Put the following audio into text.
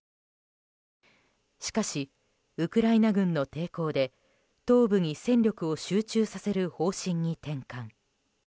しかし、ウクライナ軍の抵抗で東部に戦力を集中させる方針に転換。